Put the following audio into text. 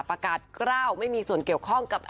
ประกาศกล้าวไม่มีส่วนเกี่ยวข้องกับ